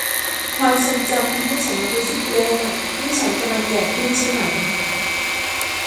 ความทรงจำทำให้ฉันรู้สึกแย่ นี่ฉันกำลังแก่ขึ้นใช่ไหม